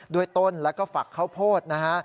ด้วยต้นแล้วก็ฝักข้าวโพดนะฮะ